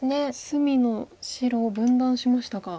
隅の白を分断しましたか。